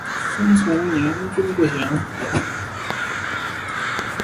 生卒年均不详。